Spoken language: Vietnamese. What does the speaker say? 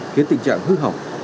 khiến tình trạng hư hỏng